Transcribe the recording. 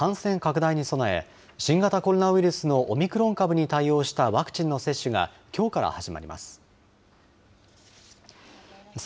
年末年始に懸念される感染拡大に備え新型コロナウイルスのオミクロン株に対応したワクチンの接種がきょうから始まります。